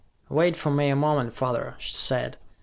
"Wait for me a moment, father," she said.